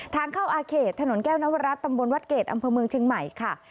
ทางเข้าอาเขตถนนแก้วนวรัฐตำบลวัดเกรดอำเภอเมืองเชียงใหม่ค่ะ